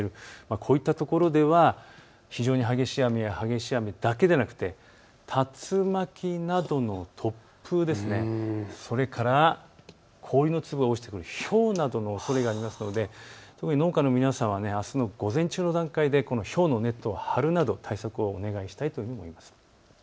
こういったところでは非常に激しい雨や激しい雨だけではなくて竜巻などの突風、それから氷の粒が落ちてくるひょうなどのおそれがあるので特に農家の皆さんはあすの午前中の段階でひょうのネットを張るなど対策をお願いしたいと思います。